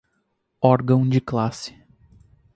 órgão de classe